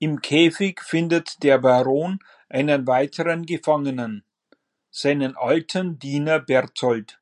Im Käfig findet der Baron einen weiteren Gefangenen: seinen alten Diener Bertold.